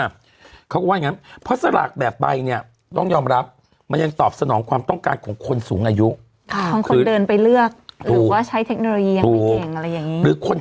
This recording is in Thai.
เขาก็ว่าอย่างงั้นพอสลากแบบใบเนี่ยต้องยอมรับมันยังตอบสนองความต้องการของคนสูงอายุ